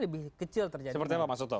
lebih kecil terjadi seperti apa pak suto